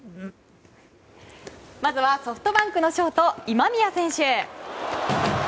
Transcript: まずはソフトバンクのショート今宮選手。